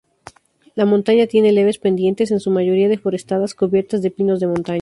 La montaña tiene leves pendientes, en su mayoría deforestadas, cubiertas de pinos de montaña.